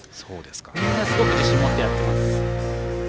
みんなすごく自信持って、やってます。